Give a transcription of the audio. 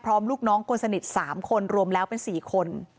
ลูกน้องคนสนิท๓คนรวมแล้วเป็น๔คน